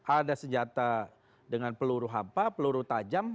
ada senjata dengan peluru hampa peluru tajam